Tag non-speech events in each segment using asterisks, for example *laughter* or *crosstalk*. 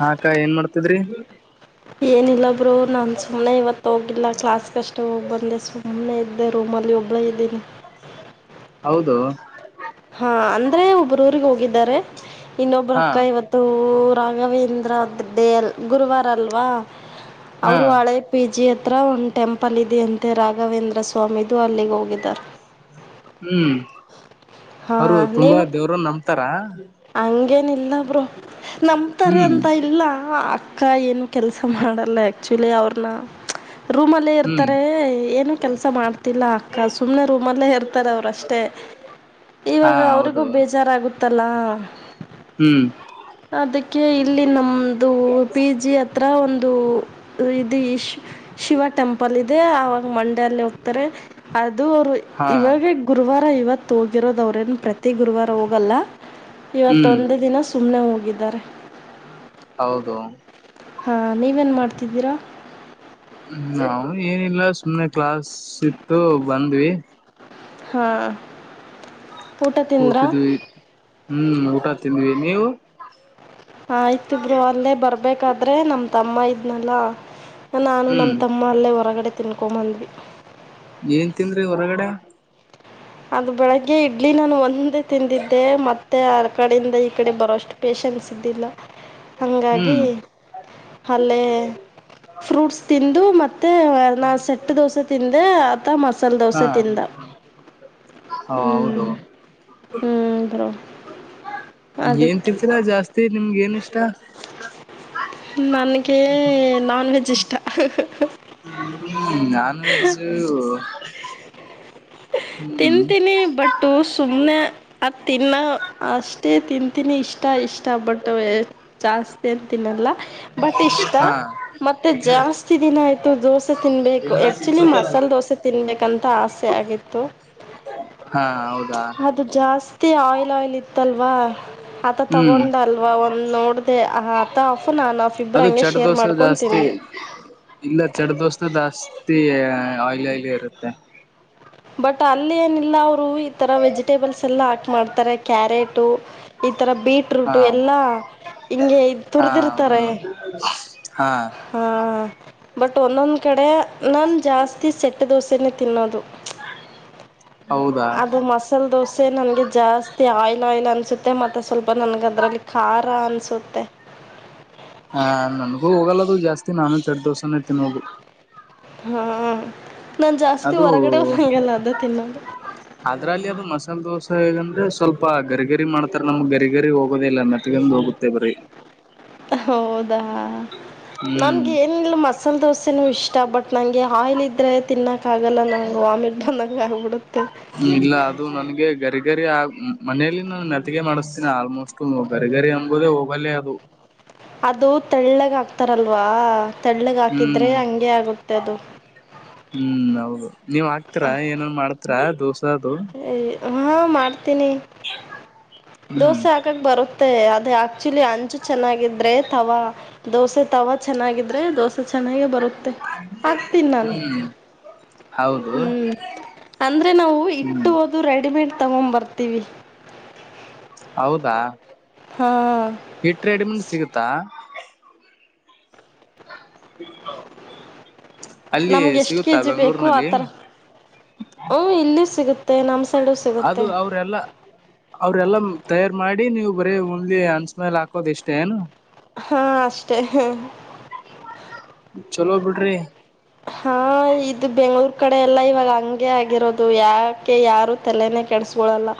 ಹಾಕ್ಕ ಏನ್ ಮಾಡ್ತಿದ್ರಿ ಏನಿಲ್ಲಬ್ರು ನಾನ್ ಸುಮ್ನೆ ಇವತ್ತು ಹೋಗಿಲ್ಲ ಕ್ಲಾಸ್ಗೆಷ್ಟ ಹೋಗಿ ಬಂದೆ ಸುಮ್ಮನೆ ಇದ್ದೆ ರೂಮಲ್ಲಿ ಒಬ್ಳೇ ಇದ್ದೀನಿ ಹೌದು ಹಾ ಅಂದ್ರೆ ಒಬ್ರ ಿಗೆ ಹೋಗಿದ್ದಾರೆ ಇನ್ನೊಬ್ಬ್ರ ಹಾ ಅಕ್ಕ ಇವತ್ತು ರಾಘವೇಂದ್ರ ಅಲ್ ಗುರುವಾರ ಅಲ್ವಾ ಹಾ ಅವರು ಹಳೆ ಪಿಜಿ ಹತ್ರ ಒಂದು ಟೆಂಪಲ್ ಇದೆಯಂತೆ ರಾಘವೇಂದ್ರ ಸ್ವಾಮಿದು ಅಲ್ಲಿಗೆ ಹೋಗಿದ್ದಾರೆ ಹ್ಮ್ ಅವರು ಹಾಂ ತುಂಬಾ ನೀವು ದೇವರು ನಂಬತಾರ ಹಂಗೇನಿಲ್ಲ ಬರುೋ ನಂಬ್ತಾರೆ ಹ್ಮ್ ಅಂತ ಇಲ್ಲ ಅಕ್ಕ ಏನು ಕೆಲ್ಸ ಮಾಡಲ್ಲ ಆಕ್ಚುಲಿ ಅವ್ರನ್ನ ರೂಮಲ್ಲೇ ಹ್ಮ್ ಇರ್ತಾರೆ ಏನೂ ಕೆಲಸ ಮಾಡ್ತಿಲ್ಲ ಅಕ್ಕ ಸುಮ್ಮ್ನೆ ರೂಮಲ್ಲೇ ಇರ್ತಾರೆ ಅವರುಷ್ಟೇ ಹಾ ಇವಾಗ ಅವ್ರಿಗೂ ಹೌದು ಬೇಜಾರಗುತ್ತಲ್ಲಾ ಹ್ಮ್ ಅದಕ್ಕೆ ಇಲ್ಲಿ ನಮ್ದು ಪಿ ಜಿ ಹತ್ರ ಒಂದು ಂದು ಇದು ಶಿವ ಟೆಂಪಲ್ ಇದೆ ಆಾಗ ಮಂಡ್ಯಲ್ಲಿ ಹೋಗ್ತಾರೆ ಅ ಅದು ಅವರು ಹಾ ಇವಾಗೇ ಗುರುವಾರ ಇವತ್ತು ಹೋಗಿರೋದು ಅವ್ರೇನು ಪ್ರತಿ ಗುರುವಾರ ಹೋಗಲ್ಲ ಹ್ಮ್ ಇವತ್ತೊಂದೇ ದಿನ ಸುಮ್ಮ್ನೆ ಹೋಗಿದ್ದಾರೆ ಹೌದು ಹಾ ನೀವೇನ್ ಮಾಡ್ತಿದ್ದೀರಾ ಹ್ಮ ನ ಏನಿಲ್ಲ ಸುಮ್ನೆ ಕ್ಲಾಸ್ ಇತ್ತು ಬಂದ್ವಿ ಹಾ ಊಟ ತಿಂದ್ರ ಕೂತಿದ್ವಿ ಹ್ಮ್ ಊಟ ತಿಂದ್ವಿ ನೀವು ಆಯ್ತುಬ್ರು ಅಲ್ಲೇ ಬರ್ಬೇಕಾದ್ರೆ ನಮ್ಮ ತಮ್ಮ ಇದ್ನಲ್ಲ ನಾನು ಹ್ಮ್ ನಮ್ಮ ತಮ್ಮ ಅಲ್ಲೇ ಹೊರಗಡೆ ತಿನ್ಕೊಂಬಂದ್ವಿ ಏನ್ ತನ್್ರಿ ಹೊರಗಡೆ ಅದ ಬೆಳಗ್ಗೆ ಇಡ್ಲಿ ನಾನು ಒಂದೇ ತಿಂದಿದ್ದೆ ಮತ್ತೆ ಕಡೆಯಿಂದ ಈ ಕಡೆ ಬರೋಷ್ಟು ಪೇೇಶನ್ಸ್ ಇದ್ದಿಲ್ಲ ಹಂಗಾಗಿ ಹ್ಮ್ ಅಲ್ಲೇ ಫ್ರೂಟ್ಸ್ ತಿಂದು ಮೆ ಮ ನಾ ಸೆಟ್ಟ ದೋಸೆ ತಿಿಂದೆ ಅಾ ಮಸಾಲೆ ದೋಸೆ ತಿಿಂದಂತೆ ಹಾ ಹೌದು ಹ್ಞೂ ಬ್ರೋ ಏನ್ ತಿತೀರಾ ಜಾಸ್ತಿ ನಿಮ್ಗೆ ಏನ್ ಇಷ್ಟ ನನ್ಗೆ ನಾನ್ ವೆಜ್ ಇಷ್ಟ ್ಮ ನಾನ್ವೆೆಜ್ಜ್ ತಿಂತೀನಿ ಬಟ್ಟು ಸುಮ್ನೆ ಅದ ತಿನ್ನ ಅಷ್ಟೇ ತಿಂತೀನಿ ಇಷ್ಟ ಇಷ್ಟ ಇಷ್ಟ ಬಟ್ಟ ಜಾಸ್ತಿ ಅಂತ ತಿನ್ನಲ್ಲ ಬಟ್ ಇಷ್ಟ ಹಾ ಮತ್ತೆ ಜಾಸ್ತಿ ದಿನ ಆಯ್ತು ದೋಸೆ ತಿನ್ಬೇಕು ಆಕ್ಚುಲಿ ಮಸಾಲೆ ದೋಸೆ ತಿನ್ಬೇಕಂತ ಆಸೆ ಅಂತೆ ಆಗತ್ತು ಹಾ ಹೌದಾ ಜಸ್ತಿ ಆಯಿಲ್ ಆಯಿಲ್ ಇತ್ತಲ್ವಾ ಆತ ಹ್ಮ್ ತಗೊಂಡಲ್ವಾ ಒಂದ್ ನೋಡ್ದೆ ಆತ ಅಫ ನಾನನ್ ಅಫ್ ಇಬರು ಅದು ಹಂಗೆ ಚಟ್ ಶೇರ್ ದೋಸೆ ಮಾಡ್ಕೊ ಜಾಸ್ತಿ ತಿಂದ್ ಇಲ್ಲ ಚಡ ದೋಸ್ತ ಜಾಸ್ತಿ ಆಯಿಲಿ ಆಯ್ಲಿ ಇರುತ್ತೆ ಬಟ್ ಅಲ್ಲಿ ಏನಿಲ್ಲ ಅವರು ಈ ತರ ವೆಜಿಟೇಬಲ್ಸ್ ಎಲ್ಲ ಹಾಕ್ ಮಾಡ್ತಾರೆ ಕ್ಯಾರೆಟು ತರ ಬೀಟ್ರೂಟ ಹಾ ಎಲ್ಲಾ ಹಿಂಗೆ ಹಾ ತುರ್್ದಿರ್ತಾರೆ ಹೌದು ಹಾ ಹಾ ಬಟ್ ಒಂದೊಂದ್ ಕಡೆ ನನ್ ಜಾಸ್ತಿ ಸೆ ಮಟ್ಟೆ ದೋಸೆನ ತಿನ್ನೋದು ಹೌದಾ ಅದು ಮಸಾಲೆ ದೋಸೆ ನನಗೆ ಜಾಸ್ತಿ ಆಯಿಲ್ ಆಯಿಲ್ ಅನ್ಸುತ್ತೆ ಮತ್ತೆ ಸ್ವಲ್ಪ ನನಗೆ ಅದರಲ್ಲಿ ಖಾರ ಅನ್ಸುತ್ತೆ ಹತ್ತೆ ಹಾ ನನ್ಗೂ ಹೋಗಲ್ಲದು ಜಾಸ್ತಿ ನಾನು ಸೆಟ್ ದೋಸಾನೇ ತಿನ್ೋಗು ಹ್ಮ ನಾನ್ ಜಾಸ್ತಿ ಅದು ಹೊರಗಡೆ ಹಂಗಲ್ಲ ಅದ ತಿನ್ನೋದು ಅದ್ರಲ್ಲಿ ಅದು ಮಸಾಲೆ ದೋಸೆ ಹೇಗಂದ್ರೆ ಸ್ವಲ್ಪ ಗರಿಗರಿ ಮಾಡ್ತಾರ ನಮ್ಗ್ ಗರಿಗರಿ ಹೋಗೋದ ಇಿಲ್ಲ ಮೆತ್ತಗಂದ ಹೋಗುತ್ತೆ ಬರಿೀ ಹೌದಾ ಹ್ಮ್ ನನ್ಗ ಏನಿಲ್ಲ ಮಸಾಲೆ ದೋಸೆನ ಇಷ್ಟ ಬಟ್ ನಂಗೆ ಆಯಿಲ್ ಇದ್ರೆ ತಿನ್ನಕ್ ಆಗಲ್ಲ ನಾಂಗ ವಾಮಿ ಬಂದಂಗ ಆಗಬಡುತ್ತೆ ರ್ಗರಿ ಆ ಮನೆಯಲ್ಲಿ ನಾನು ನೆತೆಗೆ ಮಾಡಿಸ್ತೀನ ಆಲ್ಮೋಸ್ಟ್ ಬರ್ಗರಿ ಅಂಬೋುದೇ ಹೋಗಲ್ಲೇ ಅದು ಅದು ತಳ್ಳಗ ಹಾಕ್ತಾರಲ್ವಾ ತಳ್ಳಗೆ ಹಾಕಿದ್ರೆ ಹ್ಮ್ ಹಂಗೆ ಆಗುತ್ತೆ ಅದು ಹ್ಮ್ ಹೌದು ನೀವ್ ಹಾಕ್ತರ ಏನನ್ ಮಾಡ್ತ್ರ *unintelligible* ಹಾ ಮಾಡ್ತೀನಿ ಹ್ಮ್ ದೋಸೆ ಹಾಕಕ್ ಬರುತ್ತೆ ಅ ಆಕ್ಚುಲಿ ಅಂಚು ಚೆನ್ನಾಗಿದ್ರೆ ತವಾ ದೋಸೆ ತವಾ ಚೆನ್ನಾಗಿದ್ರೆ ದೋಸೆ ಚೆನ್ನಾಗೆ ಬರುತ್ತೆ ಆಗ್ತೀನಿ ನಾನು ಹ್ಮ್ ಹೌದು ಹ್ಮ್ ಅಂದ್ರೆ ನಾವು ಹ್ಮ್ ಇಟ್ಟು ಹಓದು ರೆಡಿಮೇಡ್ ತಗೊ ಬರ್ತೀವಿ ಹೌದಾ ಹಾಂ ಹಿಟ್ಟ ರೆಡಿಮನ್ ಸಿಗುತ್ತಾ *inaudible* ಅಲ್ಲಿ ನಮ್ಗೆ ಎಷ್ಟ್ ಸಿಗುತ್ತಾ ಕೆಜಿ ಬೇಕು ಬೆಂಗಳೂರಿನಲ್ಲಿ ಆತರ ಹ ಇಲ್ಲಿ ಸಿಗುತ್ತೆ ನಮ *unintelligible* ಅದು ಅವರೆಲ್ಲ ಅವರೆಲ್ಲ *unintelligible* ತಯಾರ್ ಮಾಡಿ ನೀವ್ ಬರೀ ಒಂದಲಿ ಅನ್ಸ್ಮೇಲೆ ಹಾಕೋದ ಇಷ್ಟೇ ಏನು ಹಾ ಅಷ್ಟೇ *inaudible* ಚಲೋ ಬಿಡ್ರಿ ಹಾ ಇದು ಬೆಂಗ್ಳೂರ್ ಕಡೆ ಎಲ್ಲ ಇವಾಗ ಹಂಗೆ ಆಗಿರೋದು ಯಾಕೆ ಯಾರು ತಲೆ *unintelligible* ತಲೆ ಕೆಡಸ್ಕೊಳ್ಳಲ್ಲ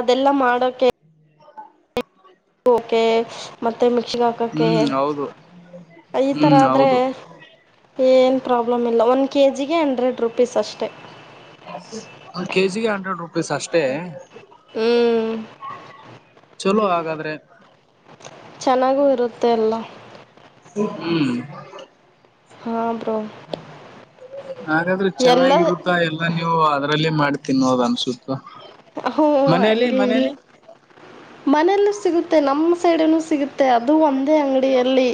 ಅದೆಲ್ಲ ಮಾಡಕೆ ಓಕೆ ಮತ್ತೆ ಮಿಕ್ಸಿಿಗೆ ಹಾಕೋಕ್ಕೆ ಹ್ಮ್ ಹೌದು ಈ ಥರ ಹ್ಮ್ ಆದ್ರೆ ಹೌದು ಏನು ಪ್ರಾಬ್ಲಮ್ ಇಲ್ಲ ಒನ್ ಕೆ ಜಿಗೆ ಹಂಡ್ರೆಡ್ ರುಪೀಸ್ ಅಷ್ಟೇ ಒ ಕೆಜಿಗೆ ಹಂಡ್ರೆಡ್ ರುಪೀಸ್ ಅಷ್ಟೇ ಹ್ಮ್ ಚಲೋ ಹಾಗಾದ್ರೆ ಚೆನ್ನಾಗೂ ಇರುತ್ತೆ ಅಲ್ಲ ಹ್ಮ್ *inaudible* ಹಾ ಬ್ರೋ ಹಾಗಾದ್ರೆ ಎಲ್ಲ ಚೆನ್ನಾಗಿರುತ್ತಾ ಎಲ್ಲಾ ನೀವು ಅದ್ರಲ್ಲೇ ಮಾಡೀ ತಿನ್ನೋದು ಅನ್ಸುತ್ತ *unintelligible* ಹ ಮನೇಲಿ ಹಂಗೆ ಇಲ್ಲಿ ಮನೇಲಿ ಮನೆಯಲ್ಲೂ ಸಿಗುತ್ತೆ ನಮ್ಮ ಸೈಡನು *unintelligible* ತ್ತ ಅದು ಒಂದೇ ಅಂಗಡಿಯಲ್ಲಿ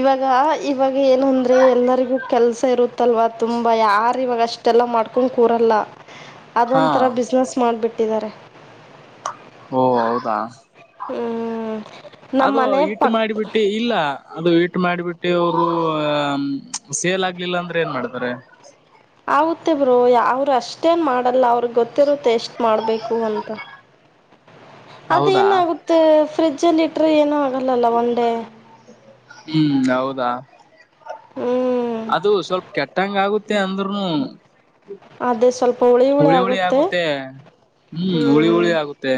ಇವಾಗ ಇವಾಗ ಏನು ಅಂದ್ರೆ ಎಲ್ಲರಿಗೂ ಕೆಲ್ಸ ಇರುತ್ತಲ್ವಾ ತುಂಬಾ ಯಾರ *unintelligible* ಇವಾಗ ಅಷ್ಟೆಲ್ಲ ಮಾಡ್ಕೊಂಡ ಕೂರಲ್ಲ ಹಾ ಅದೊಂಥರ ಬಿಸ್ನೆಸ್ ಬಿಟ್ಟಿದ್ದಾರೆ *inaudible* ಓ ಹೌದಾ ಅದು ನಮ್ಮನೆ ಇಟ್ಟು ಪಕ್ಕ ಮಾಡಿಬಿಟ್ಟು ಇಲ್ಲ ಅದು ಇಟ್ಟ ಇ *unintelligible* ಮಾಡಿಬಿಟ್ಟು ಅವರು ಸೇಲ್ ಆಗ್ಲಿಲ್ಲ ಅಂದ್ರೆ ಏನ್ ಮಾಡ್ತಾರೆ ಆಗುತ್ತೆ ಬ್ರೋ ಅವರು ಅಷ್ಟೇನ್ ಮಾಡಲ್ಲ ಅವ್ರ ಗೊತ್ತಿರುತ್ತೆ ಎಷ್ಟ ಮಾಡ್ಬೇಕು ಅಂತ ಅದ ಹೌದಾ ಏನ ಆಗುತ್ತೆ ಫ್ರಿಜ್ ಅಲ್ಲಿ ಇಟ್ರೆ ಏನ *unintelligible* *inaudible* ಹ್ಮ್ ಹೌದಾ ಹ್ಞೂ ಅದು ಸ್ವಲ್ಪ ಕೆಟ್ಟಂಗ ಆಗುತ್ತೆ ಅಂದ್ನು ಹುಳಿ ಹುಳಿ ಆಗುತ್ತೆ ಹ್ಮ್ ಹುಳಿ ಹುಳಿ ಹ್ಞೂ ಆಗುತ್ತೆ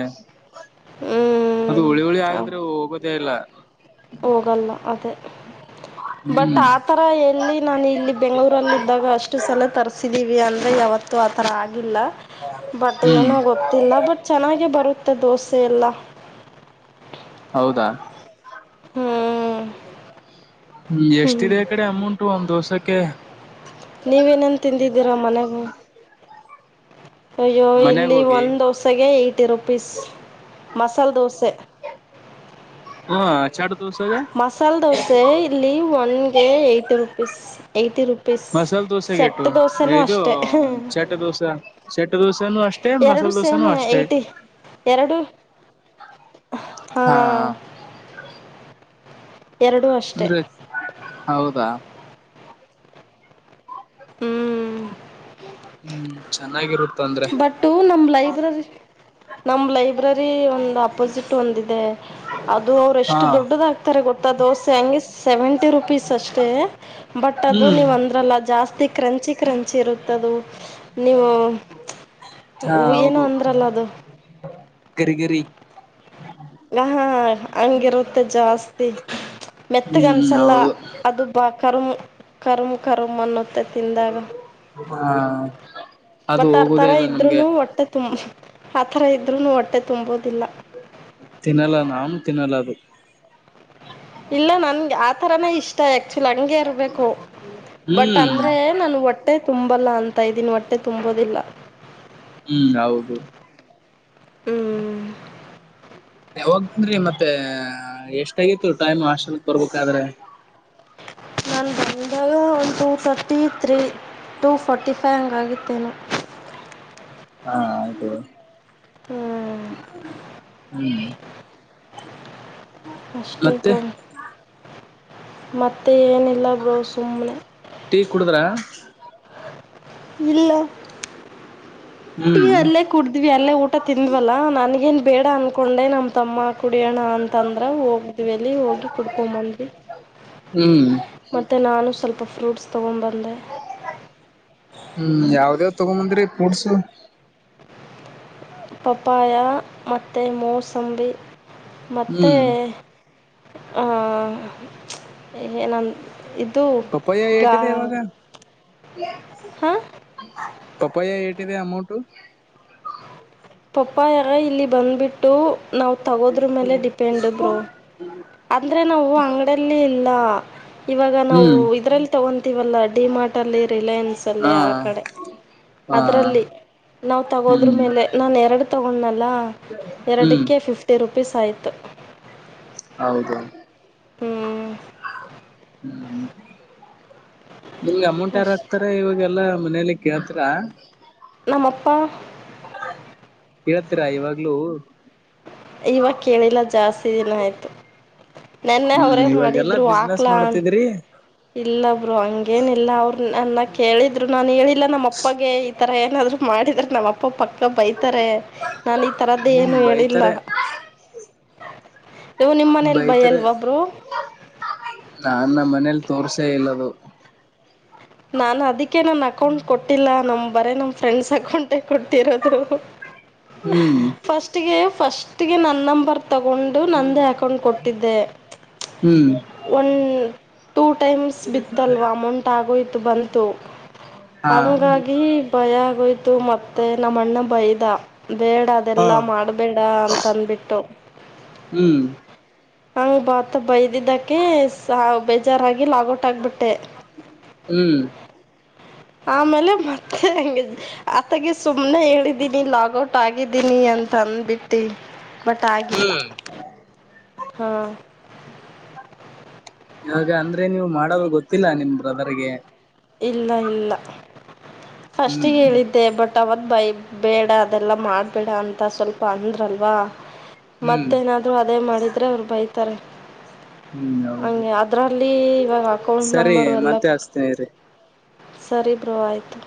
ಹ್ಞೂ ಅದು ಹುಳಿ ಹುಳಿ ಆಗಂದ್ರೆ ಹೋಗೋದೇ ಇಲ್ಲ ಹೋಗಲ್ಲ ಅದ ಬಟ್ ಹ್ಮ್ ಆತರ ಎಲ್ಲಿ ನಾನ ಇಲ್ಲಿ ಬೆಂಗಗಳೂರಲ್ಲಿ ಇದ್ದಾಗ ಅಷ್ಟು ಸಲ ತರ್ಸಿದೀವಿ ಅಂದ್ರೆ ಯ *unintelligible* ಅವತ್ತು ಆತರ ಆಗಿಲ್ಲ ಬಟ್ ಹ್ಮ್ ಏನೋ ಗೊತ್ತಿಲ್ಲ ಬಟ್ ಚೆನ್ನಾಗೆ ಬರುತ್ತೆ ದೋಸ್ *unintelligible* *unintelligible* *inaudible* ಹೌದಾ ಹ್ಞೂ *inaudible* ಎಷ್ಟಿದೆ ಕಡೆ ಅಮೌಂಟಟ್ ಒಂದ್ ದೋಸಕ್ಕೆ *unintelligible* ಓಕೆ *unintelligible* ನೀವೇನೇನ್ ತಿಂದಿದ್ದೀರಾ ಮನೆಗೂ ಅಯ್ಯೋ ಮನ್ಯಾಗ ಇಲ್ಲಿ ಹೋಗಿ ಒಂದು ದೋಸೆಗೆ ಏಯ್ಟಿ ರುಪೀಸ್ ಮಸಾಲೆ ದೋಸೆ ಹ್ಮ ಚ *unintelligible* ಮಸಾಲೆ ದೋಸೆ ಇಲ್ಲಿ ಒನ್ಗೆ ಹೈಟಿ ರುಪೀಸ್ ಹೈಟಿ ಮಸಾಲೆ ದೋಸೆೆಗೆಟು ಇದು ಅಷ್ಟೆ ಚಟ್ಟ ದೋಸೆ ಚಟ್ಟ ದೋಸೆನೂ ಅಷ್ಟೇ ಮಸಾಲೆ ಎಡು ಸೇಮ್ ದೋಸೆನೂ ಅಷ್ಟೇ ಏಟಿ ಎರಡು ಹಾ ಅಂದ್ರೆ ಹೌದಾ ಹೂ ಹೂ ಚೆನ್ನಾಗಿರುತ್ತೆ ಬಟ್ಟು ನಮ್ ಲೈಬ್ರರಿ ನಾಮ್ ಲೈಬ್ರ ಲೈಬ್ರರಿ ಒಂದು ಅಪೋಸಿಟ್ ಒಂದಿದೆ ಅದು ಅವ್ರು ಹಾ ಎಷ್ಟು ದೊಡ್ಡದಾಗ್ತಾರೆ ಗೊತ್ತ ದೋಸೆ ಹಗೆ ಸೆವೆಂಟಿ ರುಪೀಸ್ ಅಷ್ಟೇ ಬಟ್ ಅದು ಹ್ಮ್ ನೀವು ಅಂದ್ರಲ್ಲ ಜಾಸ್ತಿ ಕ್ರಂಚಿ ಕ್ರಂಚಿ ಇರುತ್ತೆ ಅದು ನೀವು ಹಾ ಏನು ಹೌದು ಅಂದ್ರಲ್ಲ ಅದು ಗರಿಗರಿ ಹ ಹಾ ಹಂಗಿರುತ್ತೆ ಜಾಸ್ತಿ ಮೆತ್ತಗ ಹ್ಮ್ ಅನ್ಸಲ್ಲ ಹೌದು ಅದು ಬಾ ಕರಂ ಕರಂ ಕರುಮ್ ಅನ್ನು ಹಾ ಅದು ಬಟ್ ಹೋಗೋದೇ ಆರ್ತರ ಇಲ್ಲ ನಮ್ಗೆ ಇದ್ರುನು ಹೊಟ್ಟೆ ತುಂಬ ಆತರ ಇದ್ರುನು ಹೊಟ್ಟೆ ತುಂಬೋದಿಲ್ಲ ತಿನ್ನಲ್ಲ ನಾನು ತಿನ್ನಲ್ಲ ಅದು ಇಲ್ಲ ನನ್ಗೆ ಆತರಾನೇ ಇಷ್ಟ ಯಾಕ ಆಕ್ಟುಯಲ್ಲಿ ಹಂಗೆ ಇರಬೇಕು ಬಟ್ ಹ್ಮ್ ಅಂದ್ರೆ ನಂಗೆ ಹೊಟ್ಟೆ ತುಂಬಲ್ಲ ಅಂತ ಇದೀನ್ ಹೊಟ್ಟೆ ತುಂಬೋದಿಲ್ಲ ಹೂ ಹೌದು ಯಾವಾಗ್ ಬಂದ್ರಿ ಮತ್ತೆ ಎಷ್ಟಗಿತ್ತು ಟೈಮ್ ಹಾಸ್ೆಲ್ಕ್ ಬರ್ಬೇಕಾದ್ರೆ ನಾನು ಬಂದಂದಾಗ ಒಂದು two thirty three two forty five ಹಂಗಾಗಿತ್ತೇನೆ ಹಾ ಹೌದು ಹೂ ಅಷ್ಟೇ ಮತ್ತೆ ಮತ್ತೆ ಏನು ಇಲ್ಲ ಬ್ರೋ ಸುಮ್ನೆ ಟೀ ಕುಡುದ್ರ ಇಲ್ಲ ಟಿ ಹ್ಮ್ ಅಲ್ಲೇ ಕುಡಿದ್ವಿ ಅಲ್ಲೇ ಊಟ ತಿಂದ್ವಲ್ಲಾ ನನ್ಗೇನ್ ಬೇಡ ಅನ್ಕೊಂಡೆ ನ ತಮ್ಮ ಕುಡಿಯೋಣ ಅಂತಂದ್ರ ಹೋಗ್ದ್ವಿ ಅಲ್ಲಿ ಹೋಗಿ ಕುಡ್ಕೊಂಬಂದ್ವಿ ಹ್ಮ್ ಮತ್ತೆ ನಾನು ಸ್ವಲ್ಪ ಫ್ರೂಟ್ಸ್ ತಗೊಂಡಬಂದೆ ಹೂ ಯಾವ್ದೇವ್ ತಗೊಂಬಂದ್ರಿ ಪೂಡ್ಸು ಪಪ್ಪಾಯ ಮತ್ತು ಮೋಸಂಬಿ ಮತ್ತು ಹ್ಮ್ ಹ ಎ ನ ಪಪಾಯ ಎಟ ಇವಾಗ ಹಾಂ ಪಪಾಯ ಏಟಿದೆ ಅಮೌಂಟ್ು ಪಪಾಯ ಅವ್ರೇ ಇಲ್ಲಿ ಬಂದ್ಬಿಟ್ಟು ನಾವು ತಗೋದ್ರ ಮೇಲೆ ಡಿಪೆಂಡ ಬ್ರೋ ಅಂದರೆ ನಾವು ಅಂಗಡಲ್ಲಿ ಇಲ್ಲ ಇವಾಗ ನಾವು ಹ್ಮ್ ಇದರಲ್ಲಿ ತೊಗೊತೀವಲ್ಲ ಡಿಮಾರ್ಟಲ್ಲಿ ರಿಲಯನ್ಸಲ್ಲಿ ಹಾ ಆ ಕಡೆ ಹಾ ಅದರಲ್ಲಿ ನಾವು ತಗೋದ್ರ ಹ್ಮ್ ಮೇಲೆ ನಾನು ಎರಡು ತಗೊಂಡನಲ್ಲ ಹ್ಮ್ ಎರಡಕ್ಕೆ ಫಿಫ್ಟಿ ರೂಪಿಸ್ ಆಯ್ತಾ ಹೌದು ಹೂ ಹೂ ನಿಮ್ಗೆ ಅಮೌಂಟ್ ಯಾರ್ ಅಷ್ಟೆ ಹಾಕ್ತಾರೆ ಇವಾಗೆಲ್ಲಾ ಮನೇಲಿ ಕೇಳ್ತ್ರ ನಮ್ಮ ಅಪ್ಪಾ ಕಳ್ತೀರಾ ಇವಾಗ್ಲುೂ ಇವಾಗ ಕೇಳಿಲ್ಲ ಜಾಸ್ತಿ ದಿನ ಆಯ್ತು ನೆನ್ನೆ ಹ್ಮ್ ಅವ್ರೇ ಇವಾಗೆಲ್ಲಾ ಮಾಡಿದ್ರು ಬಿಸ್ನೆಸ್ ಹಕ್ಲಾ ಮಾಡ್ತಿದ್ರಿ ಇಲ್ಲ ಬ್ರೋ ಹಂಗೇನಿಲ್ಲ ಅವರು ನನ್ನ ಕೇಳಿದ್ರು ನಾನು ಹೇಳಿಲ್ಲ ನಮ್ಮ ಅಪ್ಪಗೆ ಈ ತರ ಏನಾದ್ರು ಮಾಡಿದ್ರೆ ನಮ್ಮ್ ಅಪ್ಪ ಪಕ್ಕ ಬೈತಾರೆ ನಾನ್ ಈ ತರದ್ದೇ ಏನು ಹೇಳಿಲ್ಲ ನೀವು ನಿಮ್ಮ ಮನೇಲಿ ಬೈತರ ಬೈಯಲ್ವಾ ಬ್ರೋ ನಾನ್ನ ಮನೆ ತೋರ್ಚಲ್ಲದು ನಾನನ್ ಅದಕ್ಕೆ ನನ್ ಅಕೌಂಟ್ ಕೊಟ್ಟಿಲ್ಲ ನಮ್ ಬರೇ ನಮ ಫ್ರೆಂಡ್ಸ್ ಅಕೌಂಟೆ ಕೊಡ್ತಿರೋದು ಹ್ಮ್ ಫಸ್ಟ್ಗೆ ಫಸ್ಟ್ ಜತ್ತಿಗೆ ನನ್ನ ನಂಬರ್ ತಗೊಂಡು ನನ್ನೇ ಅಕೌಂಟ್ ಕೊಟ್ಟಿದ್ದೆ ಹ್ಮ್ ಒನ್ ಟೂ ಟೈಮ್ಸ್ ಬಿತ್ತಲ್ವಾ ಅಮೌಂಟ್ ಆಗೋಯ್ತು ಬಂತು ಹಾ ಹಂಗಾಗಿ ಭಯ ಆಗೋಯ್ತು ಮತ್ತೆ ನಮ್ಮ ಅಣ್ಣ ಬೈದ ಬೇಡ ಹಾ ಅದೆಲ್ಲಾ ಮಾಡಬೇಡ ಅಂತ ಅಂದಬಿಟ್ಟು ಹ್ಮ್ ಹ ಭಾತ್ತ ಬೈದಿದ್ದಕ್ಕೆ ಬೇಜಾರಾಗಿ ಲಾಗೌಟ್ ಆಗಿಬಿಟ್ಟೆ ಹ್ಮ್ ಆಮೇಲೆ ಮತ್ತೆ ಹ ಆತಗೆ ಸುಮ್ನೆ ಹೇಳಿದ್ದೀನಿ ಲಾಗಔಟ್ ಆಗಿದ್ದೀನಿ ಅ ತಂದ್ಬಿಟ್ಟಿ ಬಟ್ ಆಗಿಲ್ಲ ಹ್ಮ್ ಹಾ ಇವಾಗ ಅಂದ್ರೆ ನೀವು ಮಾಡೋದು ಗೊತ್ತಿಲ್ಲ ನಿನ್ ಬ್ರದರ್ಗೆ ಇಲ್ಲ ಇಲ್ಲ ಹ್ಮ್ ಫಸ್ಟ್ಿಗೆ ಹೇಳಿದ್ದೆ ಬಟ್ ಅವತ್ ಬೈ ಬೇಡ ಅದೆಲ್ಲ ಮಾಡಬೇಡ ಅಂತ ಸ್ವಲ್ಪ ಅಂದ್ರಲ್ವಾ ಹ್ಮ್ ಮತ್ತೇನಾದ್ರು ಅದೇ ಮಾಡಿದ್ರೆ ಅವರು ಬೈತಾರೆ ಹ್ಮ್ ಹೌದು ಹಂಗೆ ಅದ್ರಲ್ಲಿ ಇವಾಗ ಅಕೌಂಟ್ ಸರಿ ನಂಬರ್ ಎಲ್ಲ ಮತ್ತೆ ಹಚ್ತೇನಿರಿ ಸರಿ ಬ್ರೋ ಆಯ್ತು